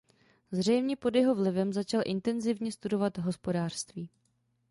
Zřejmě pod jeho vlivem začal intenzivně studovat hospodářství.